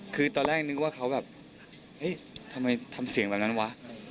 คือตอนแรกนึกว่าเขาแบบเฮ้ยทำไมทำเสียงแบบนั้นวะ